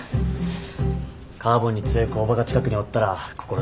カーボンに強い工場が近くにおったら心強い。